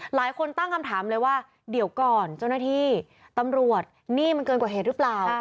หลายคนตั้งคำถามเลยว่าเดี๋ยวก่อนเจ้าหน้าที่ตำรวจหนี้มันเกินกว่าเหตุหรือเปล่า